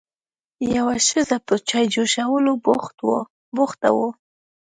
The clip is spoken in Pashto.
یوه ښځه په چای جوشولو بوخته وه.